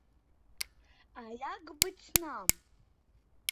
А як быць нам?